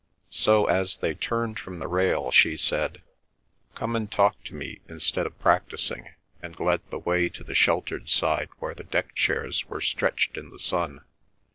So, as they turned from the rail, she said: "Come and talk to me instead of practising," and led the way to the sheltered side where the deck chairs were stretched in the sun.